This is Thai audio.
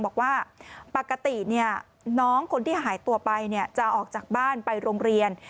บอกว่าปกติน้องคนที่หายตัวไปจะออกจากบ้านไปโรงเรียน